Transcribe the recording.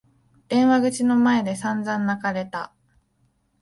電話口の前で散々泣かれた。